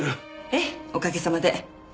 ええおかげさまで。